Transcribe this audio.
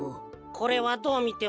これはどうみても。